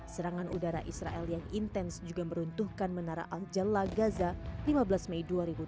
serangan udara israel yang intens juga meruntuhkan menara al jala gaza lima belas mei dua ribu dua puluh